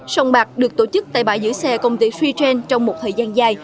sông bạc được tổ chức tại bãi giữ xe công ty suygen trong một thời gian dài